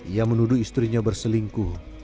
ia menuduh istrinya berselingkuh